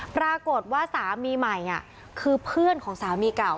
ปรากฏว่าสามีใหม่คือเพื่อนของสามีเก่า